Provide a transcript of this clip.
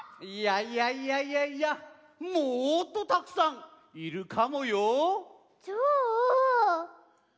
いやいやいやいやいやもっとたくさんいるかもよ。